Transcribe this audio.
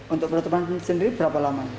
untuk penutupan sendiri berapa lama